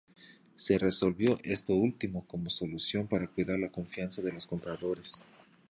Se resolvió esto último como solución para cuidar la confianza de los compradores.